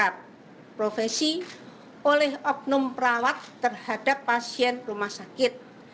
profesi oleh oknum perawat terhadap pasien rumah sakit